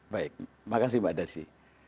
baik makasih mbak desi